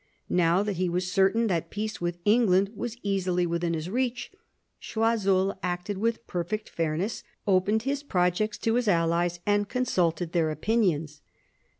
Now that he was certain that peace with England was easily within his reach, Choiseul acted with perfect fairness, opened his projects to his allies and consulted their opinions.